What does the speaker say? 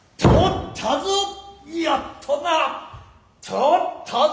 とつたぞ。